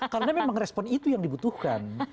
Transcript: karena memang respon itu yang dibutuhkan